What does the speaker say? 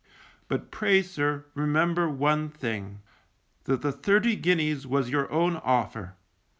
But pray, sir, remember one thing; that the thirty guineas was your own offer.